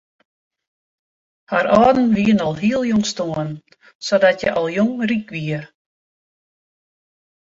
Har âlden wiene al heel jong stoarn sadat hja al jong ryk wie.